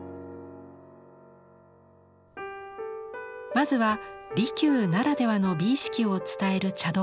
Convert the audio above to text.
まずは利休ならではの美意識を伝える茶道具から。